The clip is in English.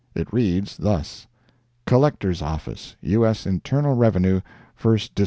It reads thus: "COLLECTOR'S OFFICE, U. S. INTERNAL REVENUE, FIRST DIS'T.